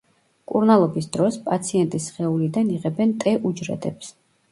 მკურნალობის დროს, პაციენტის სხეულიდან იღებენ ტე უჯრედებს.